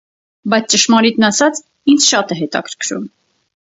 - Բայց ճշմարիտն ասած, ինձ շատ է հետաքրքրում…